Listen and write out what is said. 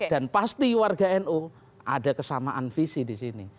dan pasti warga nu ada kesamaan visi di sini